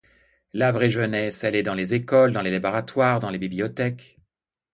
La vraie jeunesse, elle est dans les Ecoles, dans les laboratoires, dans les bibliothèques.